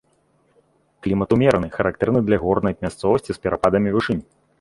Клімат умераны, характэрны для горнай мясцовасці з перападамі вышынь.